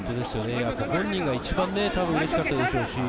本人が多分一番うれしかったでしょう。